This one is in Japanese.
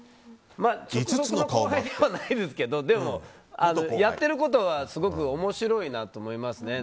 直属の後輩ではないですけどやってることはすごく面白いなと思いますね。